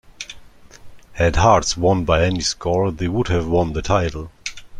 Had Hearts won by any score they would have won the title.